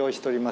お！